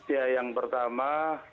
ya yang pertama